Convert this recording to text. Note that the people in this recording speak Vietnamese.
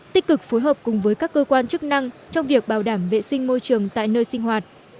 tích cực phối hợp cùng với các cơ quan chức năng trong việc bảo đảm vệ sinh môi trường tại nơi sinh hoạt